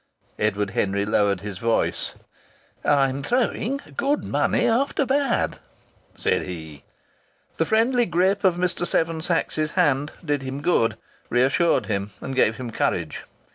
Edward Henry lowered his voice. "I'm throwing good money after bad," said he. The friendly grip of Mr. Seven Sachs's hand did him good, reassured him, and gave him courage.